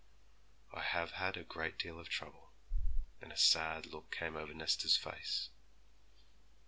'I have had a great deal of trouble.' And a sad look came over Nesta's face.